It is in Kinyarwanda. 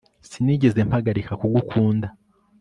sinigeze mpagarika kugukunda